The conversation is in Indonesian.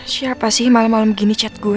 siapa sih malem malem gini chat gue